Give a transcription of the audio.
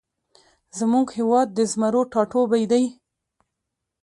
زمونږ هیواد د زمرو ټاټوبی دی